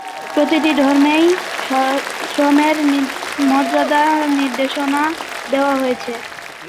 প্রতিটি ধর্মেই শ্রমের মর্যাদা নির্দেশনা দেওয়া হয়েছে।